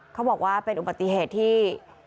เขาบอกว่าเป็นอุบัติเหตุที่